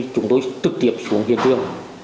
chúng tôi trực tiếp xuống hiện trường